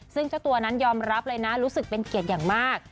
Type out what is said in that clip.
ซึ่งเจ้าตัวนั้นยอมรับเลยนะรู้สึกเป็นเกียรติอย่างมาก